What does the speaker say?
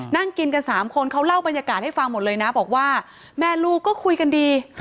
นั่งกินกัน๓คนเขาเล่าบรรยากาศให้ฟังหมดเลยนะบอกว่าแม่ลูกก็คุยกันดี